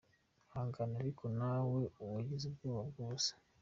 Ihangane ariko nawe wagize ubwoba bw'ubusa.